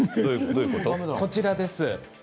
こちらです。